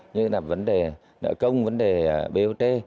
như là vấn đề nợ công vấn đề bot